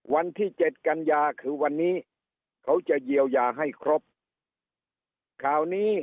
วันที่เจ็ดกันยาคือวันนี้เขาจะเยียวยาให้ครบข่าวนี้